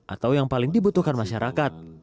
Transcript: atau yang paling dibutuhkan masyarakat